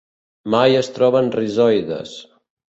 Mai es troben rizoides.